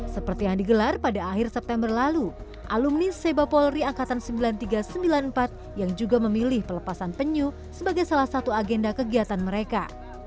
seperti yang digelar pada akhir september lalu alumni seba polri angkatan sembilan ribu tiga ratus sembilan puluh empat yang juga memilih pelepasan penyu sebagai salah satu agenda kegiatan mereka